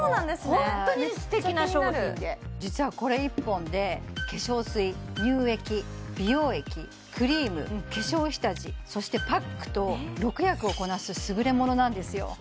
めっちゃ気になる実はこれ１本で化粧水乳液美容液クリーム化粧下地そしてパックと６役をこなすすぐれものなんですよ